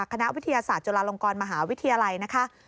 คณะวิทยาศาสตร์จุฬาลงกรมหาวิทยาลัยนะคะ